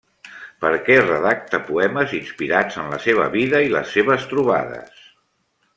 Perquè redacta poemes inspirats en la seva vida i les seves trobades.